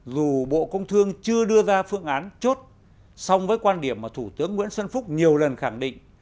dù bộ công thương chưa đưa ra phương án chốt song với quan điểm mà thủ tướng nguyễn xuân phúc nhiều lần khẳng định